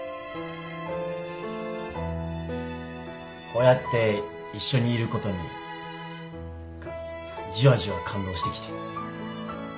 こうやって一緒にいることにじわじわ感動してきて。